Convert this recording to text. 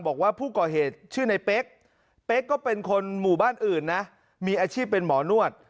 บอกว่าผู้ก่อเหตุชื่อในเป๊กเป๊กก็เป็นคนหมู่บ้านอื่นนะมีอาชีพเป็นหมอนวด